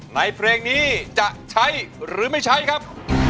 เพลงนี้จะใช้หรือไม่ใช้ครับ